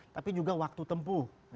tapi juga waktu tempuh